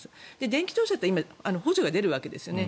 電気自動車って今、補助が出るわけですね。